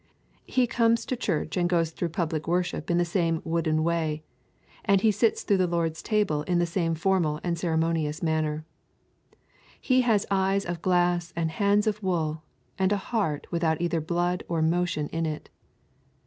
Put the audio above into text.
He comes to church and goes through public worship in the same wooden way, and he sits through the Lord's Table in the same formal and ceremonious manner. He has eyes of glass and hands of wood, and a heart without either blood or motion in it.